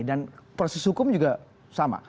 dan proses hukum juga sama